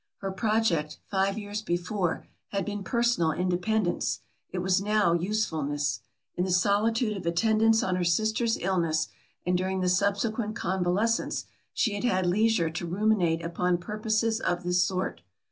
Her project, five years before, had been personal independence; it was now usefulness. In the solitude of attendance on her sister's illness, and during the subsequent convalescence, she had had leisure to ruminate upon purposes of this sort.